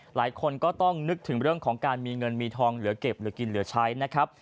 หลายคนก็ต้องนึกถึงเรื่องของการมีเงินมีทองเหลือเก็บหรือกินเหลือใช้นะครับ